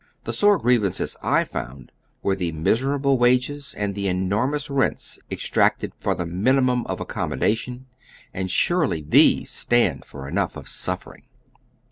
The sore grievances 1 found were the miserable wages and the enormous rents exacted for the minimum of accommoda tion. And surely these stand for enough of suffering.